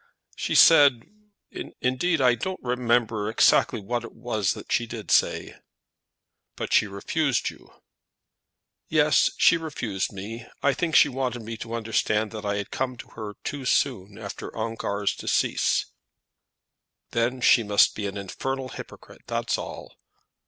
"She said; indeed I don't remember exactly what it was that she did say." "But she refused you?" "Yes; she refused me. I think she wanted me to understand that I had come to her too soon after Ongar's death." "Then she must be an infernal hypocrite; that's all."